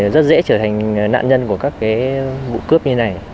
rất dễ trở thành nạn nhân của các vụ cướp như này